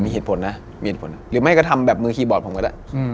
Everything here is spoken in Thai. มีเหตุผลนะหรือไม่ก็ทำแบบมือคีย์บอร์ดผมก็ด้า